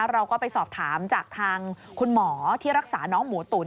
เราก็ไปสอบถามจากทางคุณหมอที่รักษาน้องหมูตุ๋น